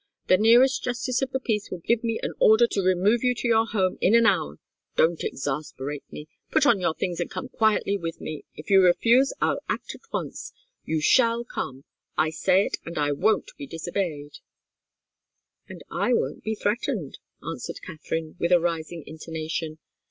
The nearest Justice of the Peace will give me an order to remove you to your home in an hour. Don't exasperate me! Put on your things and come quietly with me. If you refuse, I'll act at once. You shall come. I say it, and I won't be disobeyed." "And I won't be threatened," answered Katharine, with a rising intonation.